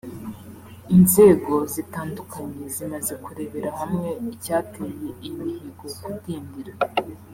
Inzego zitandukanye zimaze kurebera hamwe icyateye iyi mihigo kudindira